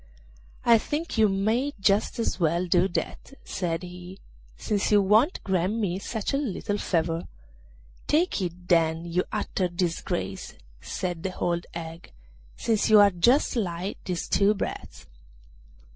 'I think you may just as well do that,' said he, 'since you won't grant me such a little favour.' 'Take it, then, you utter disgrace!' said the old hag, 'since you are just like these two brats.